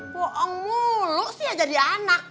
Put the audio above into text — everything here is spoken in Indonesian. bohong mulu sih ya jadi anak